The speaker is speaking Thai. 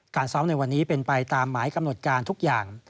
ซ้อมในวันนี้เป็นไปตามหมายกำหนดการทุกอย่าง